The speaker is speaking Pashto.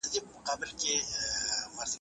سیاستوال به مهم بحثونه پرمخ وړي.